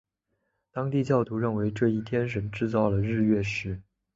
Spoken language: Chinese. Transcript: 当地教徒认为这一天神制造了日月食。